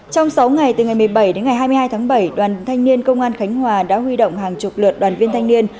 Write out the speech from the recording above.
trong sáu ngày từ ngày một mươi bảy đến ngày hai mươi hai tháng bảy đoàn thanh niên công an khánh hòa đã huy động hàng chục lượt đoàn viên thanh niên